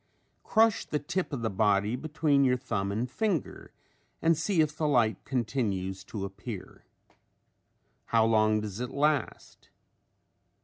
Crush the tip of the body between your thumb and finger and see if the light continues to appear. How long does it last?